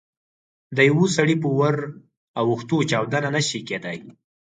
د یوه سړي په ور اوښتو چاودنه نه شي کېدای.